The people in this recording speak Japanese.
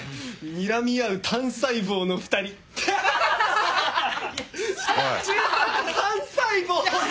「にらみ合う単細胞の２人」ハハハ！おい。